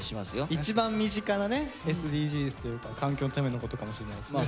一番身近なねＳＤＧｓというか環境のためのことかもしれないですね。